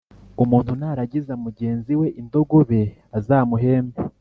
Umuntu naragiza mugenzi we indogobe azamuhembe